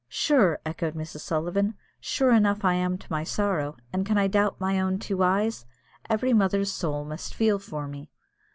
"Sure!" echoed Mrs. Sullivan, "sure enough I am to my sorrow, and can I doubt my own two eyes? Every mother's soul must feel for me!"